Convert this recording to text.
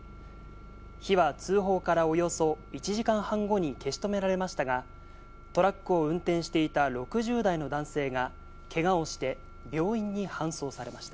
火は通報からおよそ１時間半後に消し止められましたが、トラックを運転していた６０代の男性がけがをして病院に搬送されました。